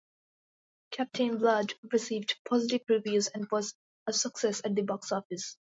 "Captain Blood" received positive reviews and was a success at the box office.